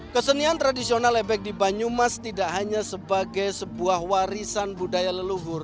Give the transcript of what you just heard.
kesenian tradisional ebek di banyumas tidak hanya sebagai sebuah warisan budaya leluhur